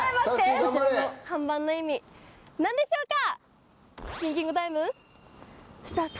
こちらの看板の意味何でしょうか？